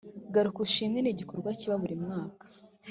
garuka ushime ni igikorwa kiba buri mwaka